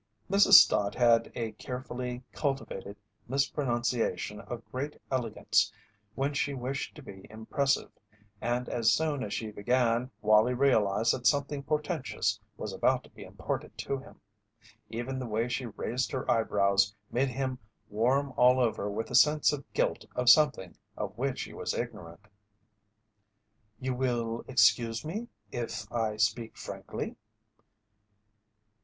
Mrs. Stott had a carefully cultivated mispronunciation of great elegance when she wished to be impressive, and as soon as she began Wallie realized that something portentous was about to be imparted to him. Even the way she raised her eyebrows made him warm all over with a sense of guilt of something of which he was ignorant. "You will excuse me if I speak frankly?"